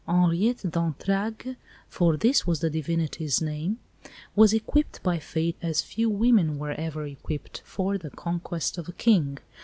Henriette d'Entragues for this was the divinity's name was equipped by fate as few women were ever equipped, for the conquest of a King.